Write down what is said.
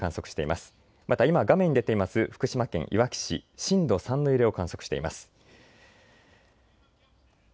また今画面に出ています福島県いわき市、震度３の揺れを観測しています。